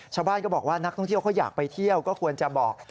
ชาวบ้านก็บอกว่านักท่องเที่ยวเขาอยากไปเที่ยวก็ควรจะบอก